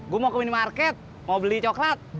gue mau ke minimarket mau beli coklat